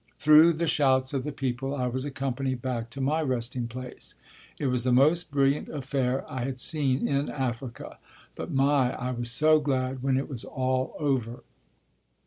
Through the shouts of the people I was accompanied back to my resting place. It was the most brilliant affair I had seen in Africa, but my! I was so glad when it was all over.